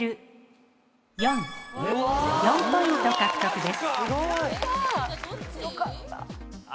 ５ポイント獲得です。